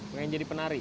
pengen jadi penari